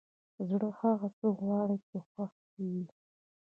زړه هغه څه غواړي چې خوښ يې وي!